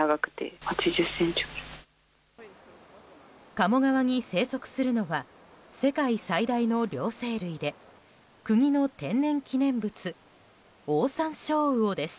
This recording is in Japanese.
鴨川に生息するのは世界最大の両生類で国の天然記念物オオサンショウウオです。